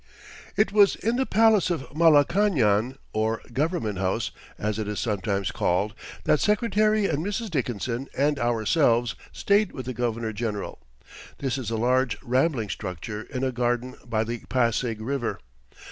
It was in the palace of Malacañan, or Government House, as it is sometimes called, that Secretary and Mrs. Dickinson and ourselves stayed with the Governor General. This is a large, rambling structure in a garden by the Pasig River.